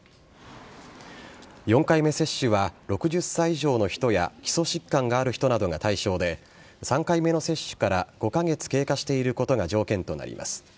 ４回目接種は６０歳以上の人や基礎疾患がある人などが対象で３回目の接種から５カ月経過していることが条件となります。